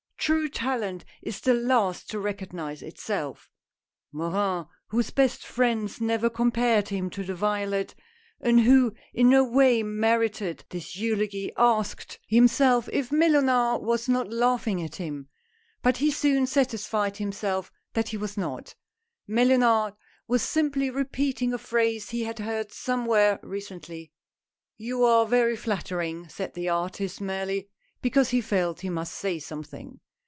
True talent is the last to recognize itself !" Morin, whose best friends never compared him to the violet, and who in no way merited this eulogy, asked 146 A NEW ASPIRANT. % himself if Mellunard was not laughing at him. But he soon satisfied himself that he was not. Mellunard was simply repeating a phrase he had heard somewhere recently. "You are very flattering," said the artist, merely because, he felt he must say something.